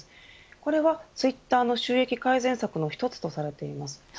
これはツイッターの収益改善策の１つとされています。